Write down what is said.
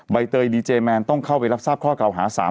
ใบเตยดีเจแมนต้องเข้าไปรับทราบข้อเก่าหา๓